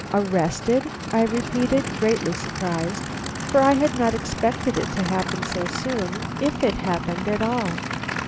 "Arrested!" I repeated, greatly surprised, for I had not expected it to happen so soon, if it happened at all.